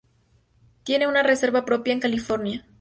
Tienen una reserva propia en California.